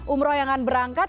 umroh yang berangkat